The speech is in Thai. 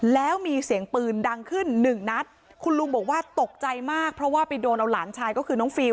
แล้วมีเสียงปืนดังขึ้นหนึ่งนัดคุณลุงบอกว่าตกใจมากเพราะว่าไปโดนเอาหลานชายก็คือน้องฟิล